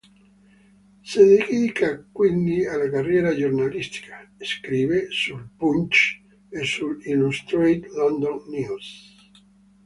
Si dedica quindi alla carriera giornalistica: scrive sul "Punch" e sull"'Illustrated London News".